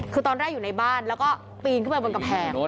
คือตอนแรกอยู่ในบ้านแล้วก็ปีนขึ้นไปบนกำแพง